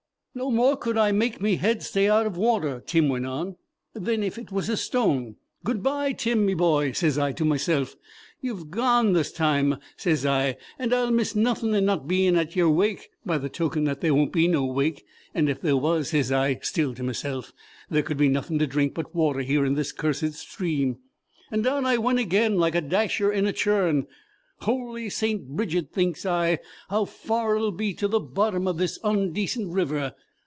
"No more could I make me head stay out of water," Tim went on, "than if it was a stone. 'Good by, Tim, me boy,' sez I to meself. 'Ye're gone this time,' sez I, 'and I'll miss nothing in not being at yer wake, by the token that there won't be no wake; and ef there was,' sez I, still to meself, 'there could be nothing to drink but water here in this cursed stream.' And down I went again, like a dasher in a churn. 'Holy St. Bridget,' thinks I, 'how far 'll it be to the bottom of this ondecent river.